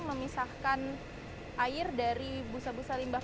memisahkan air dari busa busa limbah